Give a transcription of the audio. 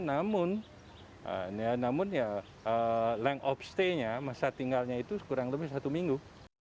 namun yang off stay nya masa tinggalnya itu kurang lebih satu minggu